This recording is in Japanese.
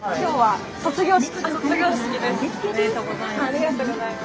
おめでとうございます。